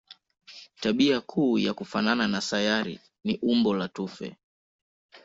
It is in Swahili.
Tabia kuu ya kufanana na sayari ni umbo la tufe.